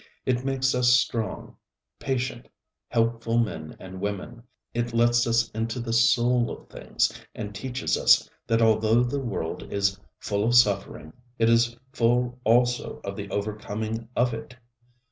It makes us strong, patient, helpful men and women. It lets us into the soul of things and teaches us that although the world is full of suffering, it is full also of the overcoming of it.